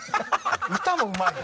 歌もうまいの？